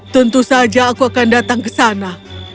tentu saja aku akan datang ke sana